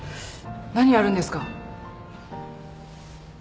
何やるんですか？